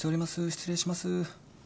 失礼します。